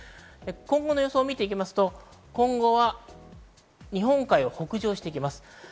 今後の予想を見ていきますと、今後は日本海を北上していきます。